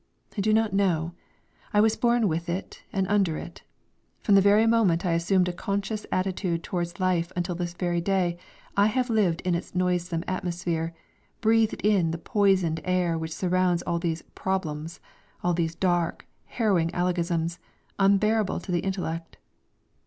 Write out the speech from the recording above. I do not know. I was born with it and under it. From the very moment I assumed a conscious attitude towards life until this very day I have lived in its noisome atmosphere, breathed in the poisoned air which surrounds all these "problems," all these dark, harrowing alogisms, unbearable to the intellect.